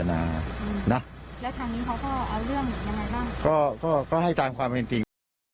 แล้วทางนี้เขาก็เอาเรื่องยังไงบ้างก็ก็ให้ตามความเป็นจริง